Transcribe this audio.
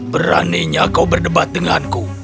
beraninya kau berdebat denganku